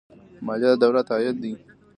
مالیه د دولت عاید دی